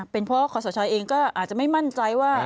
เป็นเพราะขอสชเองก็อาจจะไม่มั่นใจว่า